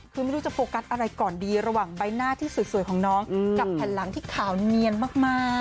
คือไม่รู้จะโฟกัสอะไรก่อนดีระหว่างใบหน้าที่สวยของน้องกับแผ่นหลังที่ขาวเนียนมาก